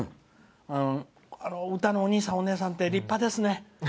歌のおにいさん、おねえさんって立派ですね。